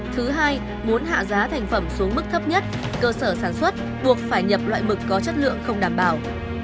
thứ hai muốn hạ giá thành phẩm xuống mức thấp nhất cơ sở sản xuất buộc phải nhập loại mực có chất lượng không đảm bảo